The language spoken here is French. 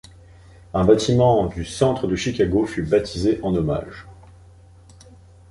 Un bâtiment du centre de Chicago fut baptisé en hommage.